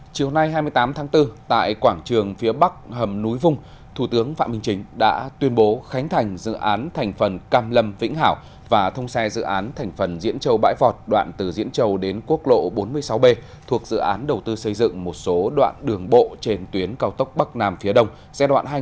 chiều nay hai mươi tám tháng bốn tại quảng trường phía bắc hầm núi vung thủ tướng phạm minh chính đã tuyên bố khánh thành dự án thành phần cam lâm vĩnh hảo và thông xe dự án thành phần diễn châu bãi vọt đoạn từ diễn châu đến quốc lộ bốn mươi sáu b thuộc dự án đầu tư xây dựng một số đoạn đường bộ trên tuyến cao tốc bắc nam phía đông giai đoạn hai nghìn một mươi sáu hai nghìn hai mươi